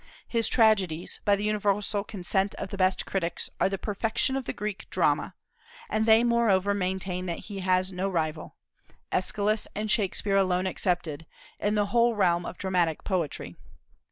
His tragedies, by the universal consent of the best critics, are the perfection of the Greek drama; and they moreover maintain that he has no rival, Aeschylus and Shakspeare alone excepted, in the whole realm of dramatic poetry.